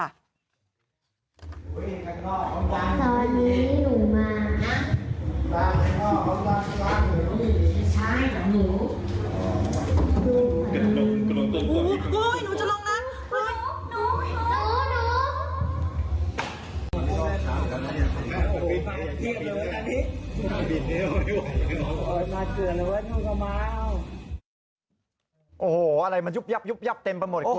อ๋ออะไรมันยุบเต็มไปหมดคุณ